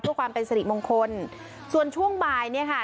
เพื่อความเป็นสริมงคลส่วนช่วงบ่ายเนี่ยค่ะ